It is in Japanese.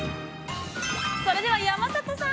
◆それでは山里さん。